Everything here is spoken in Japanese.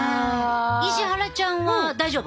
石原ちゃんは大丈夫？